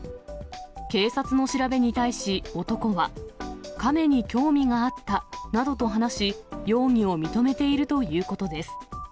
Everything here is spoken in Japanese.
警察の調べに対し男はカメに興味があったなどと話し、容疑を認めているということです。